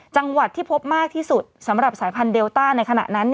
จังหวัดที่พบมากที่สุดสำหรับสายพันธุเดลต้าในขณะนั้น